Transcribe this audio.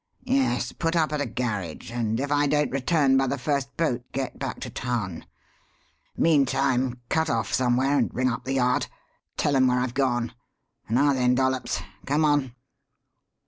"Yes. Put up at a garage; and if I don't return by the first boat, get back to town. Meantime, cut off somewhere and ring up the Yard. Tell 'em where I've gone. Now then, Dollops, come on!"